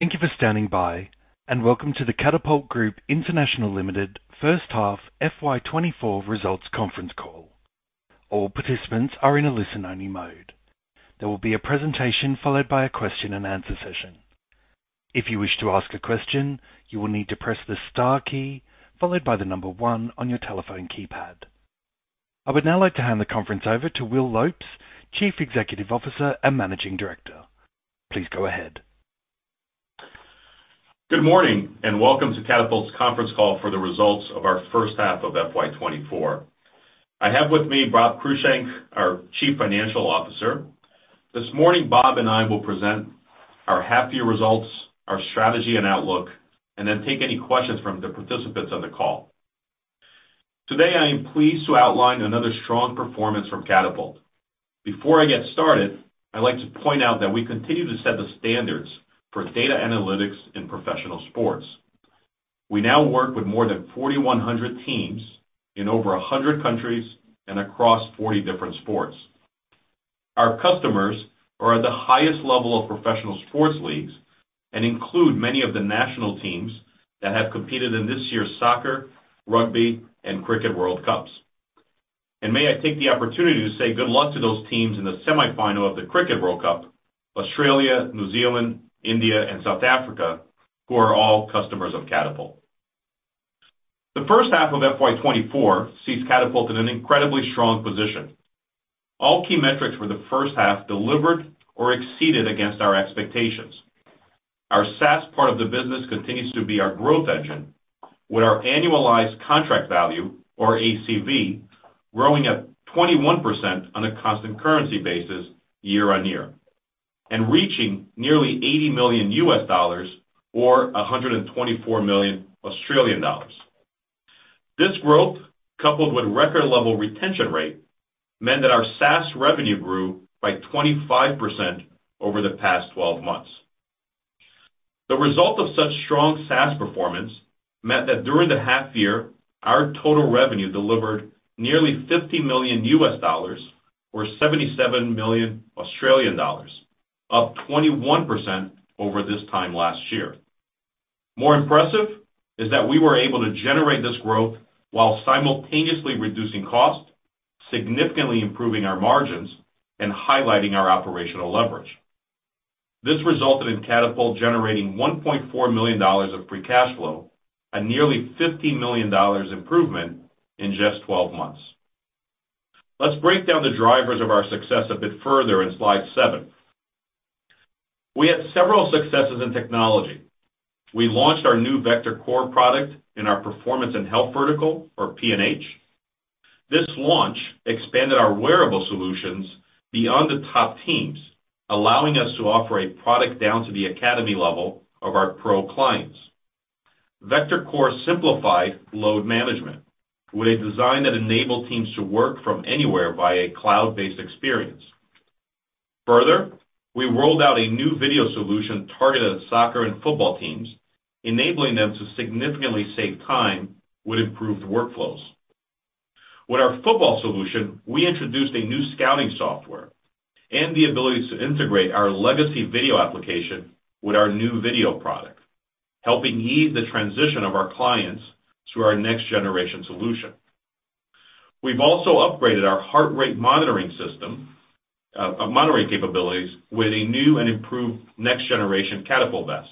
Thank you for standing by, and welcome to the Catapult Group International Limited first half FY 2024 results Conference Call. All participants are in a listen-only mode. There will be a presentation, followed by a question-and-answer session. If you wish to ask a question, you will need to press the star key followed by the number one on your telephone keypad. I would now like to hand the conference over to Will Lopes, Chief Executive Officer and Managing Director. Please go ahead. Good morning, and welcome to Catapult's conference call for the results of our first half of FY 2024. I have with me Bob Cruickshank, our Chief Financial Officer. This morning, Bob and I will present our half-year results, our strategy and outlook, and then take any questions from the participants on the call. Today, I am pleased to outline another strong performance from Catapult. Before I get started, I'd like to point out that we continue to set the standards for data analytics in professional sports. We now work with more than 4,100 teams in over 100 countries and across 40 different sports. Our customers are at the highest level of professional sports leagues and include many of the national teams that have competed in this year's soccer, rugby, and cricket World Cups. May I take the opportunity to say good luck to those teams in the semifinal of the Cricket World Cup, Australia, New Zealand, India, and South Africa, who are all customers of Catapult. The first half of FY 2024 sees Catapult in an incredibly strong position. All key metrics for the first half delivered or exceeded against our expectations. Our SaaS part of the business continues to be our growth engine, with our annualized contract value, or ACV, growing at 21% on a constant currency basis year-on-year, and reaching nearly $80 million or 124 million Australian dollars. This growth, coupled with record-level retention rate, meant that our SaaS revenue grew by 25% over the past 12 months. The result of such strong SaaS performance meant that during the half year, our total revenue delivered nearly $50 million or 77 million Australian dollars, up 21% over this time last year. More impressive is that we were able to generate this growth while simultaneously reducing costs, significantly improving our margins, and highlighting our operational leverage. This resulted in Catapult generating $1.4 million of free cash flow, a nearly $50 million improvement in just 12 months. Let's break down the drivers of our success a bit further in slide seven. We had several successes in technology. We launched our new Vector Core product in our Performance and Health vertical, or P&H. This launch expanded our wearable solutions beyond the top teams, allowing us to offer a product down to the academy level of our pro clients. Vector Core simplified load management with a design that enabled teams to work from anywhere via a cloud-based experience. Further, we rolled out a new video solution targeted at soccer and football teams, enabling them to significantly save time with improved workflows. With our football solution, we introduced a new scouting software and the ability to integrate our legacy video application with our new video product, helping ease the transition of our clients to our next-generation solution. We've also upgraded our heart rate monitoring system, monitoring capabilities with a new and improved next-generation Catapult vest,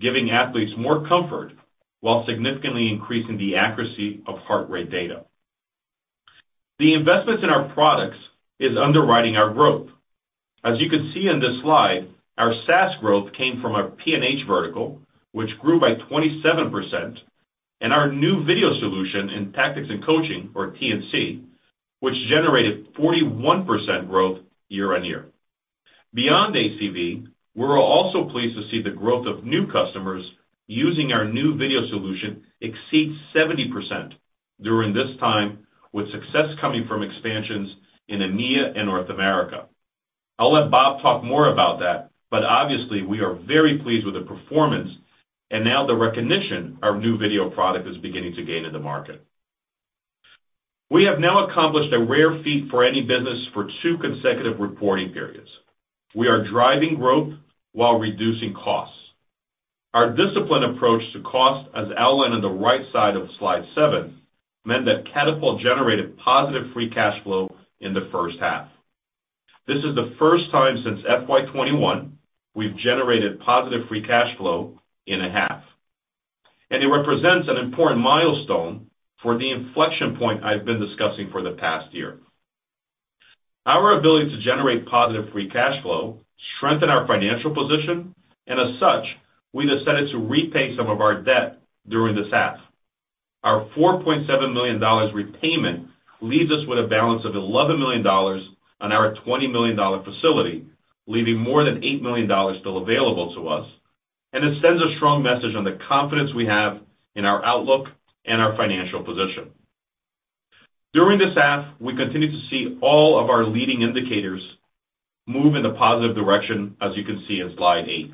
giving athletes more comfort while significantly increasing the accuracy of heart rate data. The investments in our products is underwriting our growth. As you can see on this slide, our SaaS growth came from our P&H vertical, which grew by 27%, and our new video solution in Tactics and Coaching, or T&C, which generated 41% growth year-on-year. Beyond ACV, we're also pleased to see the growth of new customers using our new video solution exceed 70% during this time, with success coming from expansions in EMEA and North America. I'll let Bob talk more about that, but obviously, we are very pleased with the performance and now the recognition our new video product is beginning to gain in the market. We have now accomplished a rare feat for any business for two consecutive reporting periods. We are driving growth while reducing costs. Our disciplined approach to cost, as outlined on the right side of slide seven, meant that Catapult generated positive free cash flow in the first half. This is the first time since FY 2021 we've generated positive free cash flow in a half, and it represents an important milestone for the inflection point I've been discussing for the past year. Our ability to generate positive free cash flow strengthen our financial position, and as such, we decided to repay some of our debt during this half. Our 4.7 million dollars repayment leaves us with a balance of 11 million dollars on our 20 million dollar facility, leaving more than 8 million dollars still available to us, and it sends a strong message on the confidence we have in our outlook and our financial position. During this half, we continued to see all of our leading indicators move in a positive direction, as you can see in slide eight.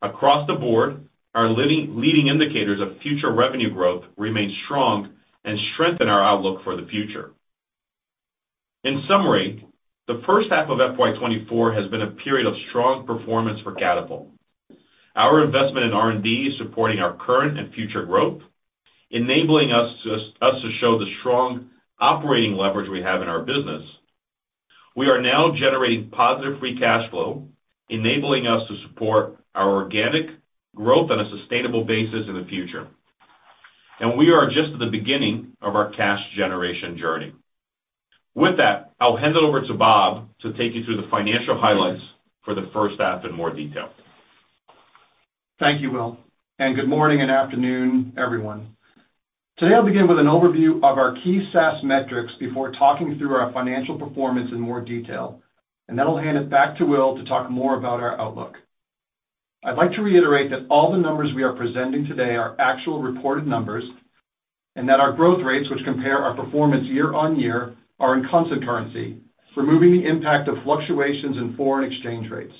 Across the board, our leading indicators of future revenue growth remain strong and strengthen our outlook for the future. In summary, the first half of FY 2024 has been a period of strong performance for Catapult. Our investment in R&D is supporting our current and future growth, enabling us to show the strong operating leverage we have in our business. We are now generating positive free cash flow, enabling us to support our organic growth on a sustainable basis in the future. And we are just at the beginning of our cash generation journey. With that, I'll hand it over to Bob to take you through the financial highlights for the first half in more detail. Thank you, Will, and good morning and afternoon, everyone. Today, I'll begin with an overview of our key SaaS metrics before talking through our financial performance in more detail, and then I'll hand it back to Will to talk more about our outlook. I'd like to reiterate that all the numbers we are presenting today are actual reported numbers, and that our growth rates, which compare our performance year-on-year, are in constant currency, removing the impact of fluctuations in foreign exchange rates.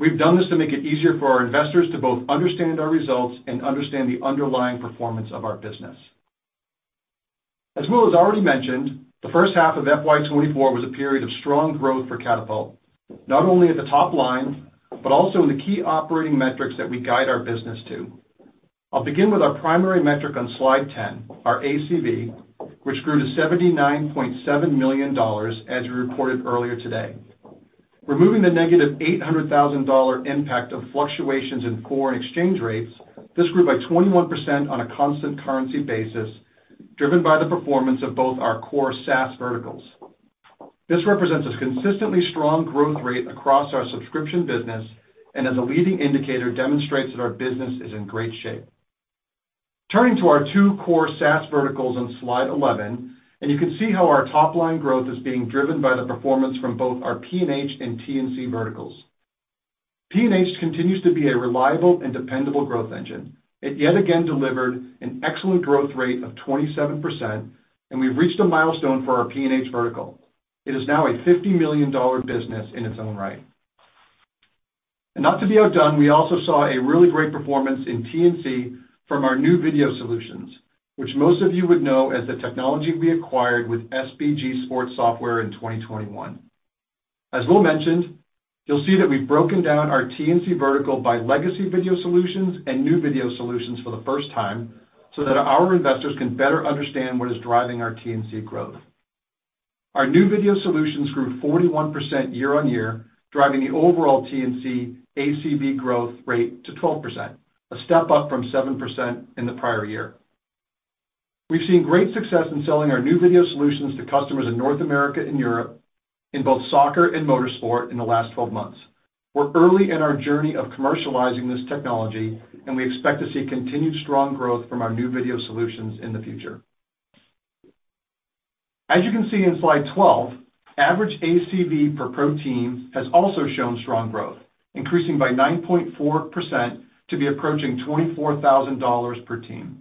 We've done this to make it easier for our investors to both understand our results and understand the underlying performance of our business. As Will has already mentioned, the first half of FY 2024 was a period of strong growth for Catapult, not only at the top line, but also in the key operating metrics that we guide our business to. I'll begin with our primary metric on slide 10, our ACV, which grew to $79.7 million, as we reported earlier today. Removing the negative $800,000 impact of fluctuations in foreign exchange rates, this grew by 21% on a constant currency basis, driven by the performance of both our core SaaS verticals. This represents a consistently strong growth rate across our subscription business and, as a leading indicator, demonstrates that our business is in great shape. Turning to our two core SaaS verticals on slide 11, and you can see how our top-line growth is being driven by the performance from both our P&H and T&C verticals. P&H continues to be a reliable and dependable growth engine. It yet again delivered an excellent growth rate of 27%, and we've reached a milestone for our P&H vertical. It is now a $50 million business in its own right. Not to be outdone, we also saw a really great performance in T&C from our new video solutions, which most of you would know as the technology we acquired with SBG Sports Software in 2021. As Will mentioned, you'll see that we've broken down our T&C vertical by legacy video solutions and new video solutions for the first time, so that our investors can better understand what is driving our T&C growth. Our new video solutions grew 41% year-on-year, driving the overall T&C ACV growth rate to 12%, a step up from 7% in the prior year. We've seen great success in selling our new video solutions to customers in North America and Europe, in both soccer and motorsport in the last 12 months. We're early in our journey of commercializing this technology, and we expect to see continued strong growth from our new video solutions in the future. As you can see in slide 12, average ACV per pro team has also shown strong growth, increasing by 9.4% to be approaching $24,000 per team.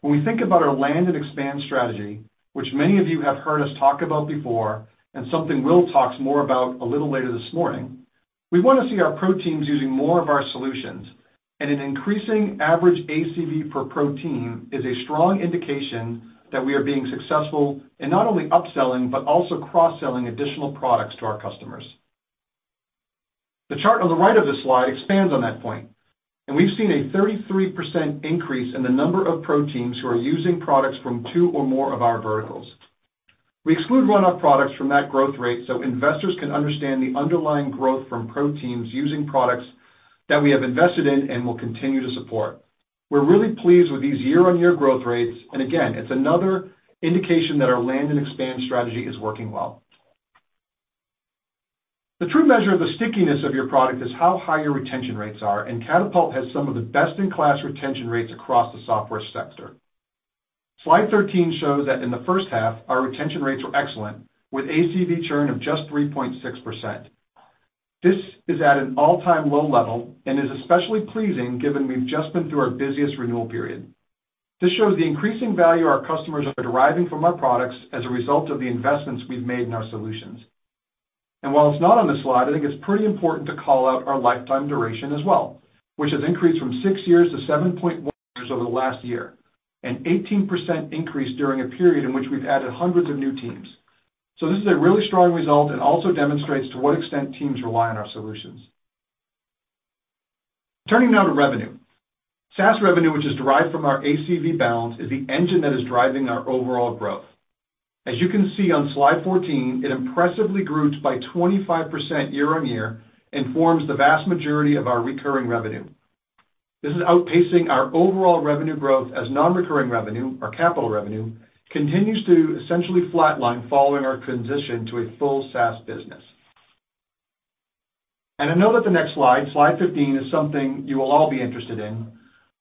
When we think about our land and expand strategy, which many of you have heard us talk about before, and something Will talks more about a little later this morning, we want to see our pro teams using more of our solutions. An increasing average ACV per pro team is a strong indication that we are being successful in not only upselling, but also cross-selling additional products to our customers. The chart on the right of this slide expands on that point, and we've seen a 33% increase in the number of pro teams who are using products from two or more of our verticals. We exclude one-off products from that growth rate so investors can understand the underlying growth from pro teams using products that we have invested in and will continue to support. We're really pleased with these year-on-year growth rates, and again, it's another indication that our land and expand strategy is working well. The true measure of the stickiness of your product is how high your retention rates are, and Catapult has some of the best-in-class retention rates across the software sector. Slide 13 shows that in the first half, our retention rates were excellent, with ACV churn of just 3.6%. This is at an all-time low level and is especially pleasing given we've just been through our busiest renewal period. This shows the increasing value our customers are deriving from our products as a result of the investments we've made in our solutions. While it's not on this slide, I think it's pretty important to call out our lifetime duration as well, which has increased from 6 years to 7.1 years over the last year, an 18% increase during a period in which we've added hundreds of new teams. This is a really strong result and also demonstrates to what extent teams rely on our solutions. Turning now to revenue. SaaS revenue, which is derived from our ACV balance, is the engine that is driving our overall growth. As you can see on slide 14, it impressively grew by 25% year-on-year and forms the vast majority of our recurring revenue. This is outpacing our overall revenue growth as non-recurring revenue, or capital revenue, continues to essentially flatline following our transition to a full SaaS business. And I know that the next slide, slide 15, is something you will all be interested in.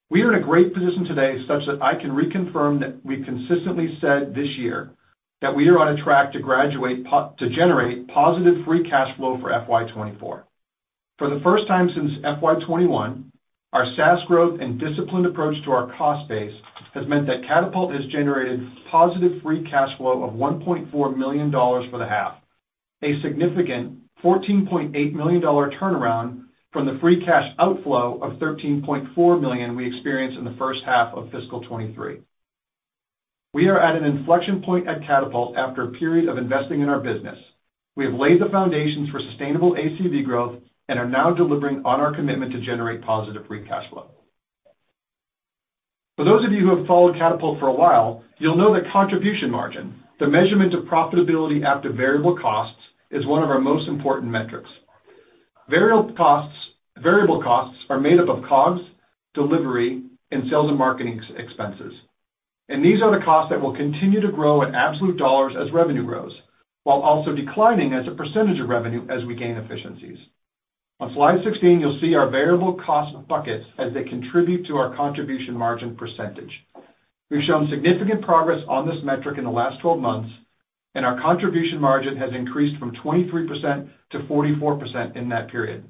We are in a great position today such that I can reconfirm that we've consistently said this year, that we are on a track to generate positive free cash flow for FY 2024. For the first time since FY 2021, our SaaS growth and disciplined approach to our cost base has meant that Catapult has generated positive free cash flow of $1.4 million for the half.... A significant $14.8 million turnaround from the free cash outflow of $13.4 million we experienced in the first half of fiscal 2023. We are at an inflection point at Catapult after a period of investing in our business. We have laid the foundations for sustainable ACV growth and are now delivering on our commitment to generate positive free cash flow. For those of you who have followed Catapult for a while, you'll know that contribution margin, the measurement of profitability after variable costs, is one of our most important metrics. Variable costs, variable costs are made up of COGS, delivery, and sales and marketing expenses. These are the costs that will continue to grow in absolute dollars as revenue grows, while also declining as a percentage of revenue as we gain efficiencies. On slide 16, you'll see our variable cost buckets as they contribute to our contribution margin percentage. We've shown significant progress on this metric in the last 12 months, and our contribution margin has increased from 23%-44% in that period.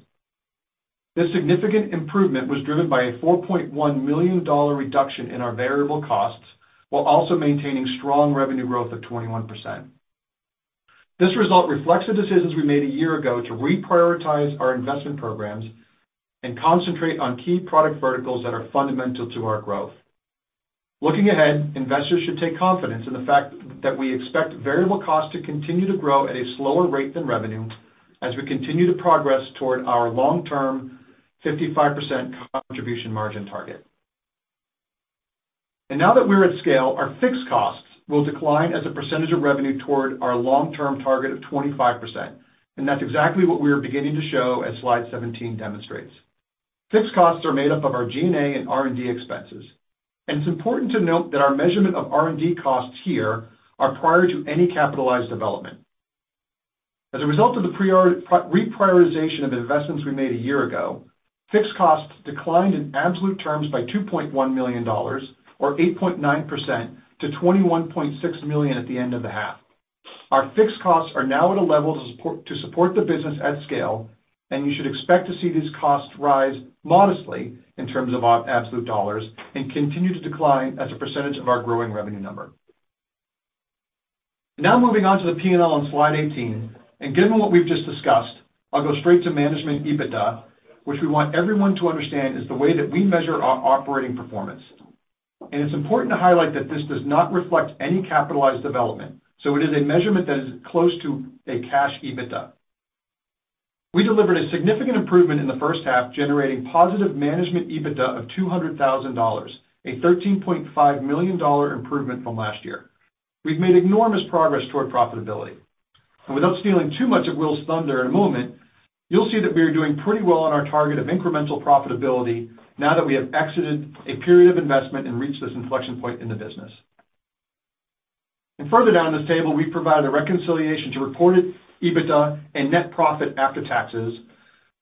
This significant improvement was driven by a 4.1 million dollar reduction in our variable costs, while also maintaining strong revenue growth of 21%. This result reflects the decisions we made a year ago to reprioritize our investment programs and concentrate on key product verticals that are fundamental to our growth. Looking ahead, investors should take confidence in the fact that we expect variable costs to continue to grow at a slower rate than revenue as we continue to progress toward our long-term 55% contribution margin target. Now that we're at scale, our fixed costs will decline as a percentage of revenue toward our long-term target of 25%, and that's exactly what we are beginning to show, as slide 17 demonstrates. Fixed costs are made up of our G&A and R&D expenses, and it's important to note that our measurement of R&D costs here are prior to any capitalized development. As a result of the prior reprioritization of investments we made a year ago, fixed costs declined in absolute terms by 2.1 million dollars, or 8.9%, to 21.6 million at the end of the half. Our fixed costs are now at a level to support, to support the business at scale, and you should expect to see these costs rise modestly in terms of absolute dollars and continue to decline as a percentage of our growing revenue number. Now moving on to the P&L on slide 18, and given what we've just discussed, I'll go straight to Management EBITDA, which we want everyone to understand is the way that we measure our operating performance. It's important to highlight that this does not reflect any capitalized development, so it is a measurement that is close to a cash EBITDA. We delivered a significant improvement in the first half, generating positive Management EBITDA of 200,000 dollars, a 13.5 million dollar improvement from last year. We've made enormous progress toward profitability. Without stealing too much of Will's thunder in a moment, you'll see that we are doing pretty well on our target of incremental profitability now that we have exited a period of investment and reached this inflection point in the business. Further down this table, we've provided a reconciliation to reported EBITDA and net profit after taxes,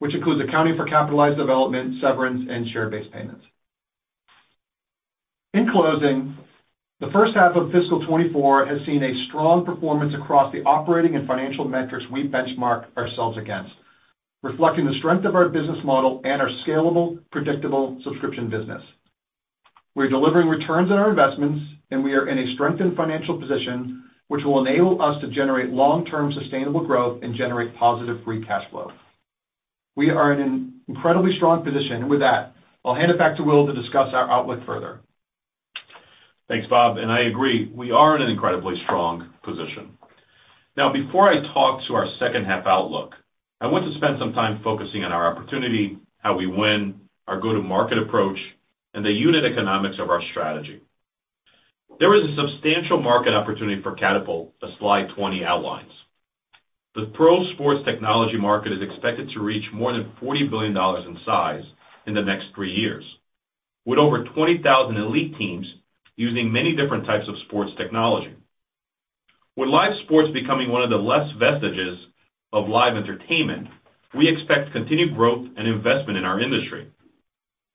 which includes accounting for capitalized development, severance, and share-based payments. In closing, the first half of fiscal 2024 has seen a strong performance across the operating and financial metrics we benchmark ourselves against, reflecting the strength of our business model and our scalable, predictable subscription business. We're delivering returns on our investments, and we are in a strengthened financial position, which will enable us to generate long-term sustainable growth and generate positive free cash flow. We are in an incredibly strong position, and with that, I'll hand it back to Will to discuss our outlook further. Thanks, Bob, and I agree, we are in an incredibly strong position. Now, before I talk to our second-half outlook, I want to spend some time focusing on our opportunity, how we win, our go-to-market approach, and the unit economics of our strategy. There is a substantial market opportunity for Catapult, as slide 20 outlines. The pro sports technology market is expected to reach more than $40 billion in size in the next three years, with over 20,000 elite teams using many different types of sports technology. With live sports becoming one of the last vestiges of live entertainment, we expect continued growth and investment in our industry.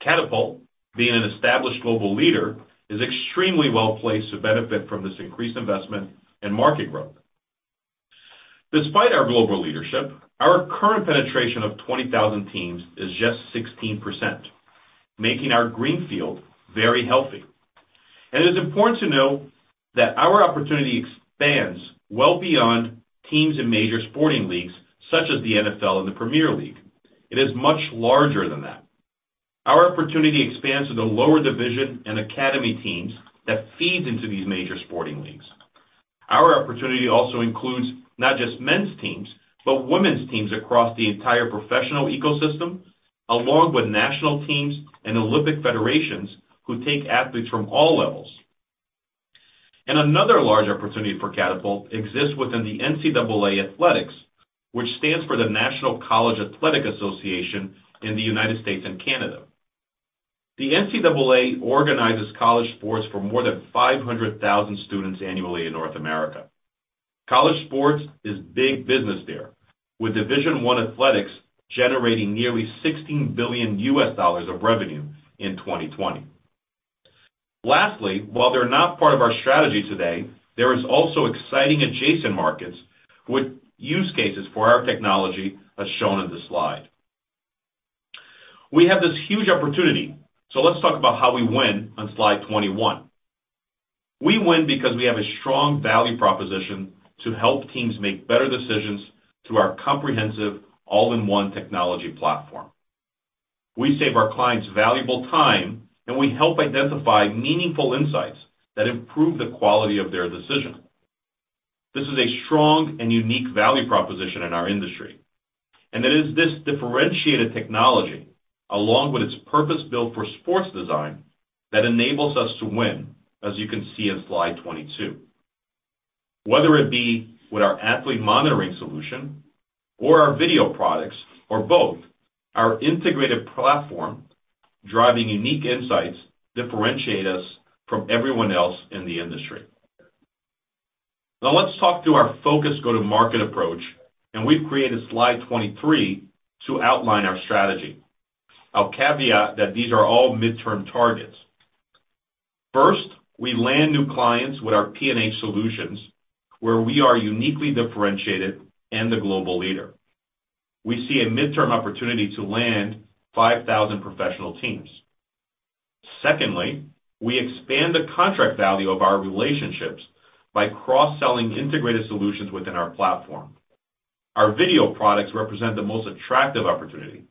Catapult, being an established global leader, is extremely well-placed to benefit from this increased investment and market growth. Despite our global leadership, our current penetration of 20,000 teams is just 16%, making our greenfield very healthy. It's important to note that our opportunity expands well beyond teams in major sporting leagues, such as the NFL and the Premier League. It is much larger than that. Our opportunity expands to the lower division and academy teams that feed into these major sporting leagues. Our opportunity also includes not just men's teams, but women's teams across the entire professional ecosystem, along with national teams and Olympic federations who take athletes from all levels. Another large opportunity for Catapult exists within the NCAA athletics, which stands for the National Collegiate Athletic Association in the United States and Canada. The NCAA organizes college sports for more than 500,000 students annually in North America. College sports is big business there, with Division I athletics generating nearly $16 billion of revenue in 2020. Lastly, while they're not part of our strategy today, there is also exciting adjacent markets with use cases for our technology, as shown in the slide. We have this huge opportunity, so let's talk about how we win on slide 21. We win because we have a strong value proposition to help teams make better decisions through our comprehensive, all-in-one technology platform. We save our clients valuable time, and we help identify meaningful insights that improve the quality of their decision. This is a strong and unique value proposition in our industry, and it is this differentiated technology, along with its purpose-built for sports design, that enables us to win, as you can see in slide 22. Whether it be with our athlete monitoring solution or our video products or both, our integrated platform, driving unique insights, differentiate us from everyone else in the industry. Now, let's talk to our focus go-to-market approach, and we've created slide 23 to outline our strategy. I'll caveat that these are all midterm targets. First, we land new clients with our P&H solutions, where we are uniquely differentiated and the global leader. We see a midterm opportunity to land 5,000 professional teams. Secondly, we expand the contract value of our relationships by cross-selling integrated solutions within our platform. Our video products represent the most attractive opportunity,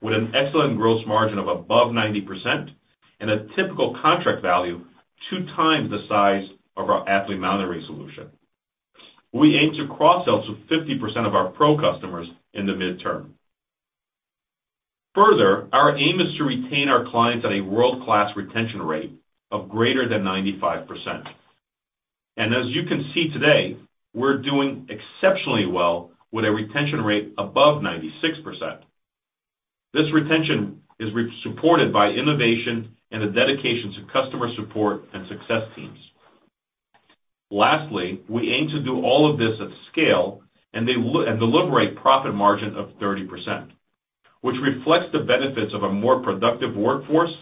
with an excellent gross margin of above 90% and a typical contract value 2x the size of our athlete monitoring solution. We aim to cross-sell to 50% of our pro customers in the midterm. Further, our aim is to retain our clients at a world-class retention rate of greater than 95%. As you can see today, we're doing exceptionally well with a retention rate above 96%. This retention is supported by innovation and a dedication to customer support and success teams. Lastly, we aim to do all of this at scale and deliver a profit margin of 30%, which reflects the benefits of a more productive workforce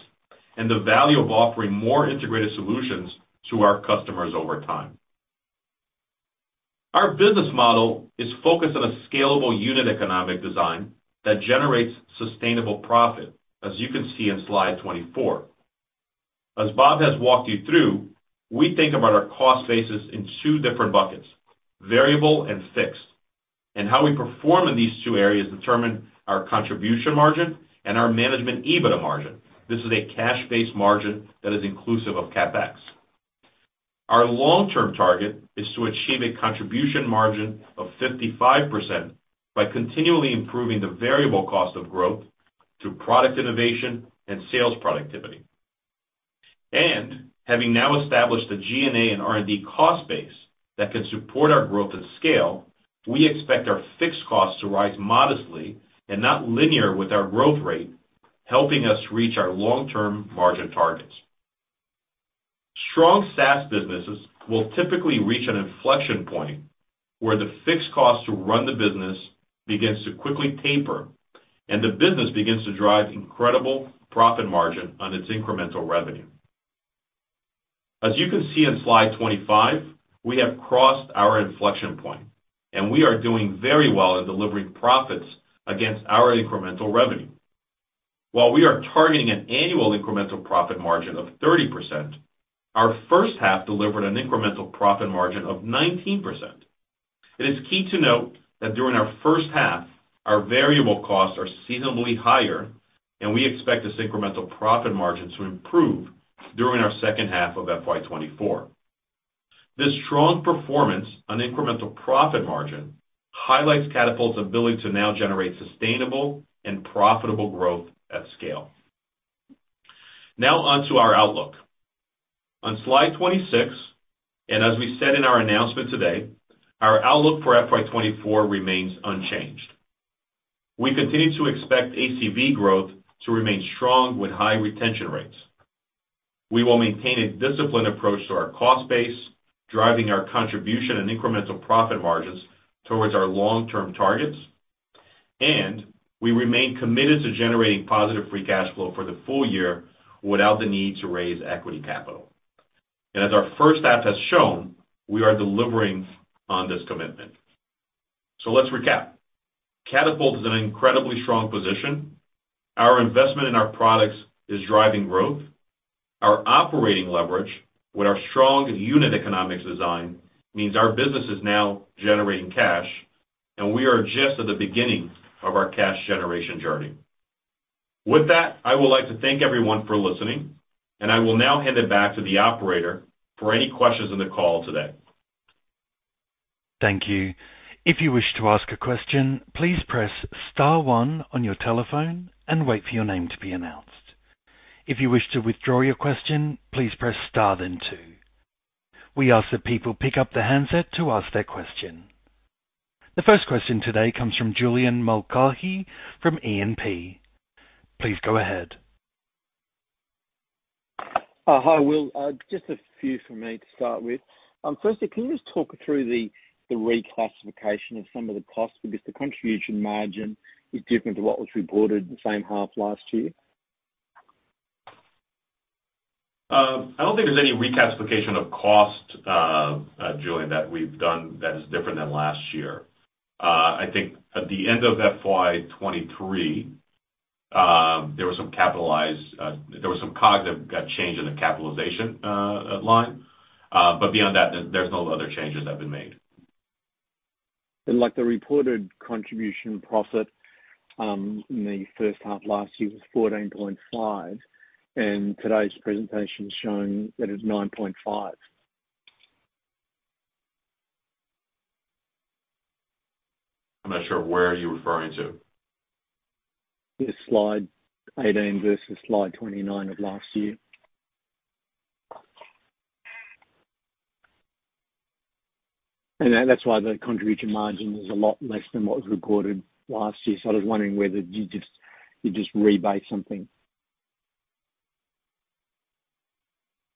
and the value of offering more integrated solutions to our customers over time. Our business model is focused on a scalable unit economic design that generates sustainable profit, as you can see in slide 24. As Bob has walked you through, we think about our cost basis in two different buckets, variable and fixed, and how we perform in these two areas determine our contribution margin and our management EBITDA margin. This is a cash-based margin that is inclusive of CapEx. Our long-term target is to achieve a contribution margin of 55% by continually improving the variable cost of growth through product innovation and sales productivity. Having now established the G&A and R&D cost base that can support our growth and scale, we expect our fixed costs to rise modestly and not linear with our growth rate, helping us reach our long-term margin targets. Strong SaaS businesses will typically reach an inflection point, where the fixed cost to run the business begins to quickly taper, and the business begins to drive incredible profit margin on its incremental revenue. As you can see in slide 25, we have crossed our inflection point, and we are doing very well in delivering profits against our incremental revenue. While we are targeting an annual incremental profit margin of 30%, our first half delivered an incremental profit margin of 19%. It is key to note that during our first half, our variable costs are seasonally higher, and we expect this incremental profit margin to improve during our second half of FY 2024. This strong performance on incremental profit margin highlights Catapult's ability to now generate sustainable and profitable growth at scale. Now on to our outlook. On slide 26, and as we said in our announcement today, our outlook for FY 2024 remains unchanged. We continue to expect ACV growth to remain strong with high retention rates. We will maintain a disciplined approach to our cost base, driving our contribution and incremental profit margins towards our long-term targets, and we remain committed to generating positive free cash flow for the full year without the need to raise equity capital. And as our first half has shown, we are delivering on this commitment. So let's recap. Catapult is in an incredibly strong position. Our investment in our products is driving growth. Our operating leverage with our strong unit economics design, means our business is now generating cash, and we are just at the beginning of our cash generation journey. With that, I would like to thank everyone for listening, and I will now hand it back to the operator for any questions on the call today. Thank you. If you wish to ask a question, please press star one on your telephone and wait for your name to be announced. If you wish to withdraw your question, please press star then two. We ask that people pick up the handset to ask their question. The first question today comes from Julian Mulcahy from E&P. Please go ahead. Hi, Will. Just a few for me to start with. Firstly, can you just talk through the reclassification of some of the costs, because the contribution margin is different to what was reported the same half last year?... I don't think there's any reclassification of cost, Julian, that we've done that is different than last year. I think at the end of FY 2023, there was some capitalized, there was some COGS that got changed in the capitalization, line. But beyond that, there's no other changes that have been made. Like the reported contribution profit in the first half last year was 14.5, and today's presentation is showing that it's 9.5. I'm not sure. Where are you referring to? The slide 18 versus slide 29 of last year. And that, that's why the contribution margin is a lot less than what was recorded last year. So I was wondering whether you just rebased something.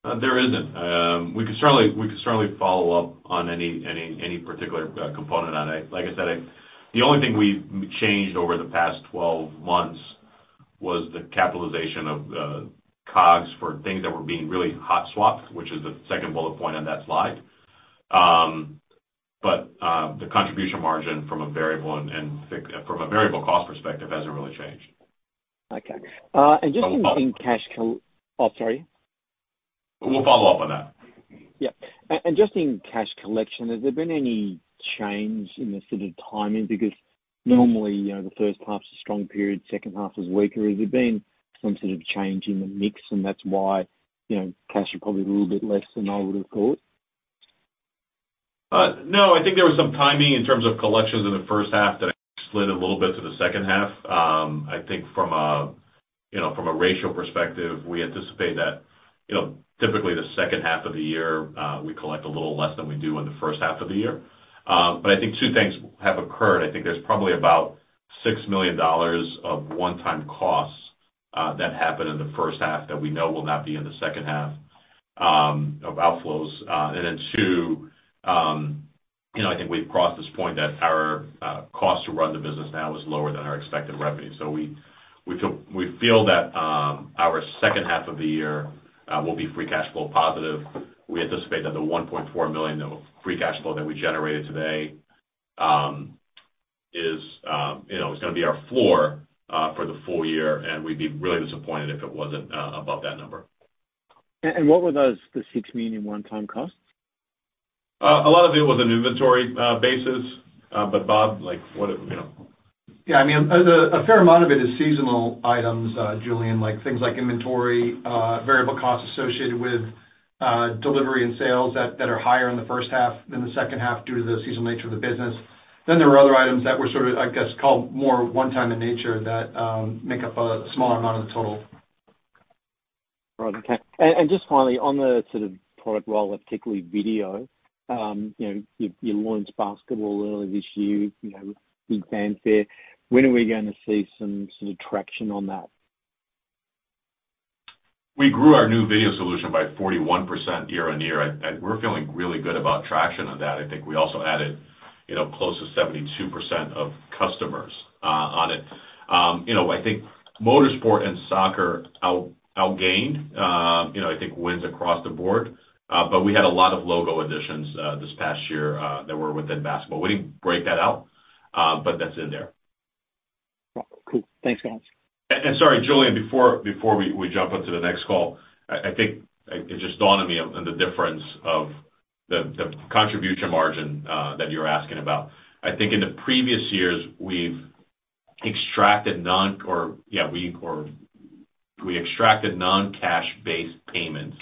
There isn't. We could certainly, we could certainly follow up on any particular component on it. Like I said, the only thing we've changed over the past 12 months was the capitalization of COGS for things that were being really hot-swapped, which is the second bullet point on that slide. But the contribution margin from a variable cost perspective hasn't really changed. Okay. Oh, sorry? We'll follow up on that. Yeah. Just in cash collection, has there been any change in the sort of timing? Because normally, you know, the first half is a strong period, second half is weaker. Has there been some sort of change in the mix, and that's why, you know, cash is probably a little bit less than I would have thought? No, I think there was some timing in terms of collections in the first half that slid a little bit to the second half. I think from a, you know, from a ratio perspective, we anticipate that, you know, typically the second half of the year, we collect a little less than we do in the first half of the year. But I think two things have occurred. I think there's probably about 6 million dollars of one-time costs that happened in the first half that we know will not be in the second half of outflows. And then, two, you know, I think we've crossed this point that our cost to run the business now is lower than our expected revenue. We feel that our second half of the year will be free cash flow positive. We anticipate that the 1.4 million of free cash flow that we generated today, you know, is gonna be our floor for the full year, and we'd be really disappointed if it wasn't above that number. What were those, the 6 million one-time costs? A lot of it was an inventory basis, but Bob, like, what it, you know? Yeah, I mean, a fair amount of it is seasonal items, Julian, like, things like inventory, variable costs associated with delivery and sales that, that are higher in the first half than the second half due to the seasonal nature of the business. Then there were other items that were sort of, I guess, called more one time in nature that make up a small amount of the total. Right. Okay. And, and just finally on the sort of product role, particularly video, you know, you, you launched Basketball earlier this year, you know, big fanfare. When are we going to see some sort of traction on that? We grew our new video solution by 41% year-on-year. We're feeling really good about traction on that. I think we also added, you know, close to 72% of customers on it. You know, I think motorsport and soccer outgained wins across the board, but we had a lot of logo additions this past year that were within basketball. We didn't break that out, but that's in there. Cool. Thanks, guys. Sorry, Julian, before we jump onto the next call. I think it just dawned on me on the difference of the contribution margin that you're asking about. I think in the previous years we've extracted non-cash based payments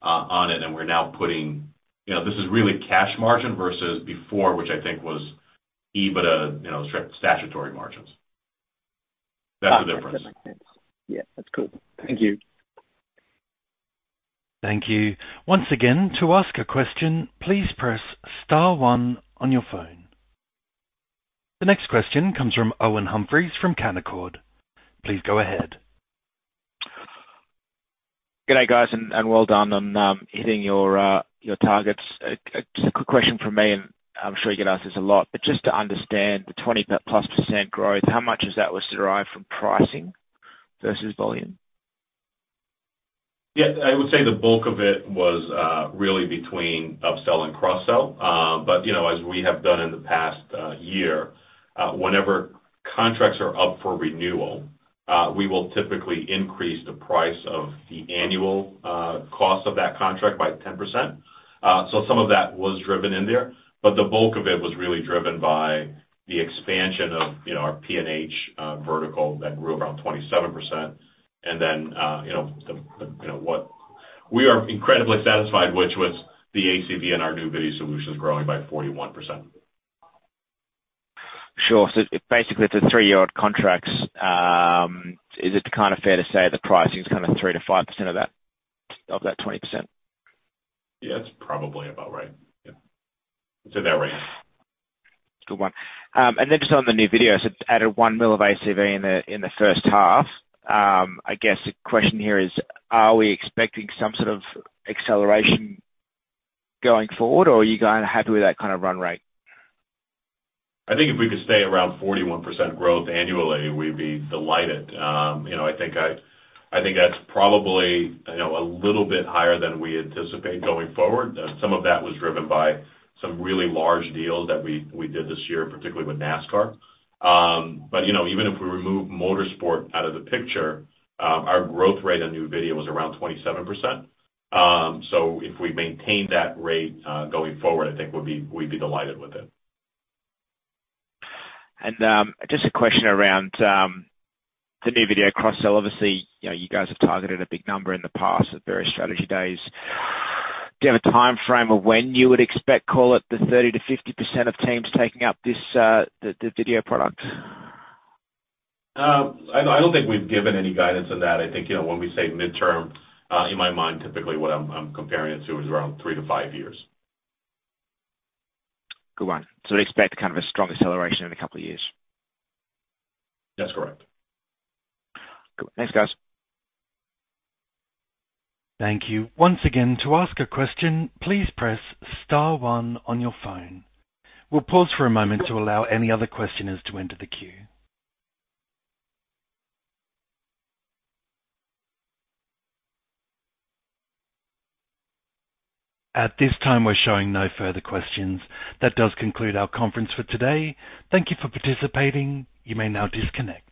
on it, and we're now putting, you know, this is really cash margin versus before, which I think was EBITDA, you know, statutory margins. That's the difference. Yeah, that's cool. Thank you. Thank you. Once again, to ask a question, please press star one on your phone. The next question comes from Owen Humphries, from Canaccord. Please go ahead. Good day, guys, and well done on hitting your targets. Just a quick question from me, and I'm sure you get asked this a lot, but just to understand the 20%+ growth, how much of that was derived from pricing versus volume? Yeah, I would say the bulk of it was, really between upsell and cross-sell. But, you know, as we have done in the past year, whenever contracts are up for renewal, we will typically increase the price of the annual cost of that contract by 10%. So some of that was driven in there, but the bulk of it was really driven by the expansion of, you know, our P&H vertical that grew around 27%. And then, you know, you know what? We are incredibly satisfied, which was the ACV and our new video solutions growing by 41%. Sure. So basically, it's a three-year-old contracts. Is it kind of fair to say the pricing is kind of 3%-5% of that, of that 20%? Yeah, that's probably about right. Yeah. It's in that range. Good one. And then just on the new video, so it's added 1 million of ACV in the first half. I guess the question here is: Are we expecting some sort of acceleration going forward, or are you going happy with that kind of run rate? I think if we could stay around 41% growth annually, we'd be delighted. You know, I think that's probably, you know, a little bit higher than we anticipate going forward. Some of that was driven by some really large deals that we did this year, particularly with NASCAR. But, you know, even if we remove motorsport out of the picture, our growth rate on new video was around 27%. So if we maintain that rate going forward, I think we'd be delighted with it. Just a question around the new video cross-sell. Obviously, you know, you guys have targeted a big number in the past at various strategy days. Do you have a timeframe of when you would expect, call it, the 30%-50% of teams taking up this, the video product? I don't think we've given any guidance on that. I think, you know, when we say midterm, in my mind, typically what I'm comparing it to is around three-five years. Good one. We expect kind of a strong acceleration in a couple of years? That's correct. Cool. Thanks, guys. Thank you. Once again, to ask a question, please press star one on your phone. We'll pause for a moment to allow any other questioners to enter the queue. At this time, we're showing no further questions. That does conclude our conference for today. Thank you for participating. You may now disconnect.